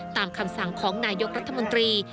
คำสั่งของนายกรัฐมนตรี